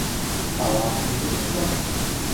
Ала — ӱдыр ӱмбак?..